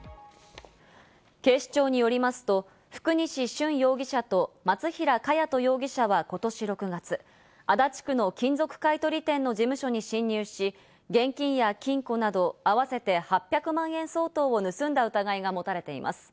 警視庁によりますと、福西舜容疑者と松平茅土容疑者はことし６月、足立区の金属買い取り店の事務所に侵入し、現金や金庫などを合わせて８００万円相当を盗んだ疑いが持たれています。